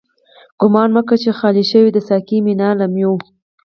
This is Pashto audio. گومان مکړه چی خالی شوه، د ساقی مینا له میو